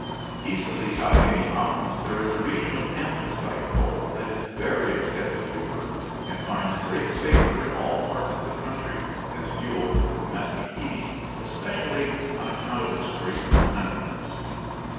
East of the Alleghany Mountains there is a region of anthracite coal that is very extensively worked and finds great favor in all parts of the country as fuel for domestic heating, especially on account of its great cleanliness.